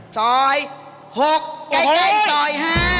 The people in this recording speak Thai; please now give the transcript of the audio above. ซอย๖ใกล้ซอย๕